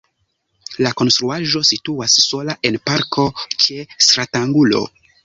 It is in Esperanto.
La konstruaĵo situas sola en parko ĉe stratangulo.